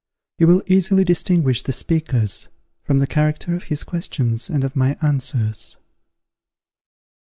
You will easily distinguish the speakers, from the character of his questions and of my answers.